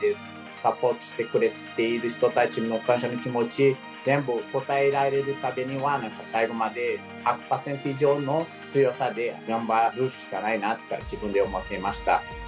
サポートしてくれている人たちの感謝の気持ち全部応えられるためには最後まで１００％以上の強さで頑張るしかないなって自分で思っていました。